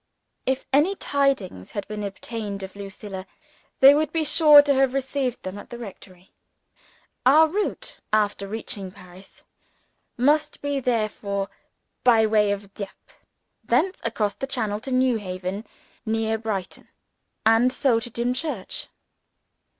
If any tidings had been obtained of Lucilla, they would be sure to have received them at the rectory. Our route, after reaching Paris, must be therefore by way of Dieppe; thence across the Channel to Newhaven, near Brighton and so to Dimchurch.